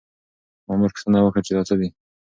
مامور پوښتنه وکړه چې دا څه دي؟